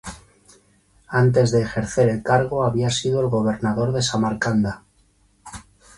Antes de ejercer el cargo había sido el gobernador de Samarcanda.